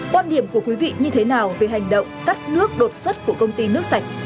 quan điểm của quý vị như thế nào về hành động cắt nước đột xuất của công ty nước sạch